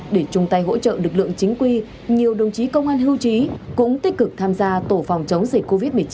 để chung tay hỗ trợ lực lượng chính quy nhiều đồng chí công an hưu trí cũng tích cực tham gia tổ phòng chống dịch covid một mươi chín